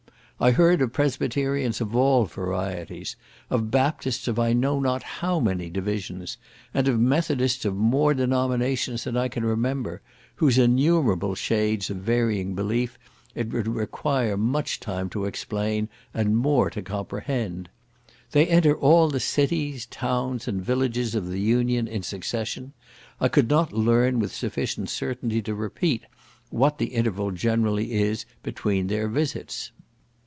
I heard of Presbyterians of all varieties; of Baptists of I know not how many divisions; and of Methodists of more denominations than I can remember; whose innumerable shades of varying belief, it would require much time to explain, and more to comprehend. They enter all the cities, towns, and villages of the Union, in succession; I could not learn with sufficient certainty to repeat, what the interval generally is between their visits.